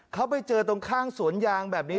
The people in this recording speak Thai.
เขาไปเจอตรงข้างสวนยางแบบนี้